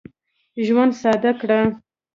ژوند ساده کړه.